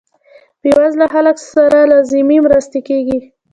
بې وزله خلکو سره لازمې مرستې کیږي.